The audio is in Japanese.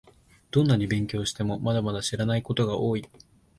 どんなに勉強しても、まだまだ知らないことが多い